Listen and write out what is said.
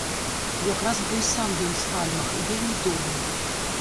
Якраз бо і сам ён стальмах, і вельмі добры.